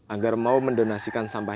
agar mau mendonasikan sampah